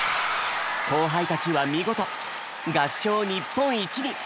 後輩たちは見事合唱日本一に！